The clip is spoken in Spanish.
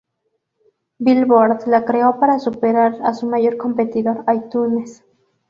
Billboard la creó para superar a su mayor competidor iTunes.